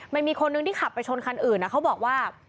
มันมีคนนึงที่ขับไปชนคันอื่นเขาบอกว่า